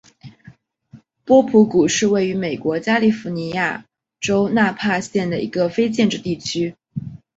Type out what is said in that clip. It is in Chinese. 波普谷是位于美国加利福尼亚州纳帕县的一个非建制地区。